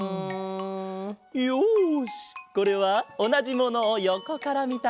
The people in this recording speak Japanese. よしこれはおなじものをよこからみたかげだ。